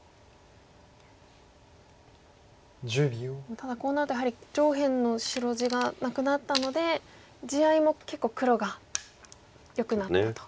ただこうなるとやはり上辺の白地がなくなったので地合いも結構黒がよくなったと。